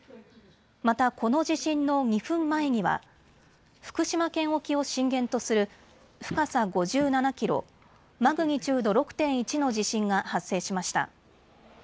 また、この地震の２分前には福島県沖を震源とする深さ５７キロ、マグニチュード６．１の地震が発生しました。